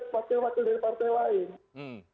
wakil wakil dari partai lain